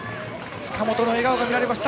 塚本の笑顔が見られました。